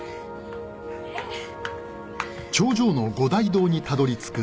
えっ？